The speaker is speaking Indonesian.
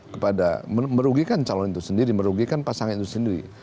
kepada merugikan calon itu sendiri merugikan pasangan itu sendiri